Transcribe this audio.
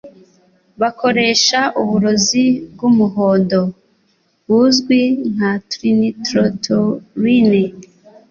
bakoresha uburozi bw'umuhondo buzwi nka Trinitrotoluene